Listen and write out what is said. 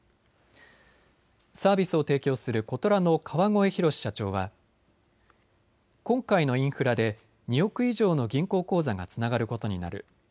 サービスを提供することらの川越洋社長は今回のインフラで２億以上の銀行口座がつながることになる。